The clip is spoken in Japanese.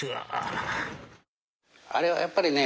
あれはやっぱりね